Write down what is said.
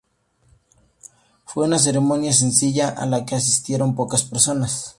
Fue una ceremonia sencilla a la que asistieron pocas personas.